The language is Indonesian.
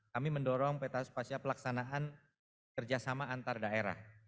kami mendorong peta spasia pelaksanaan kerjasama antar daerah